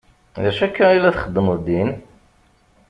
D acu akka i la txeddmeḍ din?